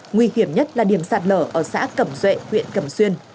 nguy hiểm nhất là điểm sạt lở ở xã cẩm duệ huyện cẩm xuyên